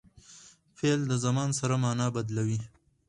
فعل د زمان سره مانا بدلوي.